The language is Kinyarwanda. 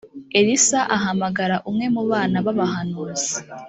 elisa ahamagara umwe mu bana b’abahanuzi